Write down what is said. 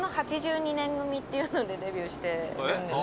っていうのでデビューしてるんです。